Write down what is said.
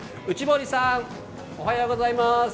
内堀さん、おはようございます。